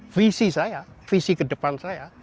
visi saya visi ke depan saya